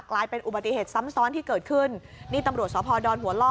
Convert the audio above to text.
กลายเป็นอุบัติเหตุซ้ำซ้อนที่เกิดขึ้นนี่ตำรวจสพดอนหัวล่อ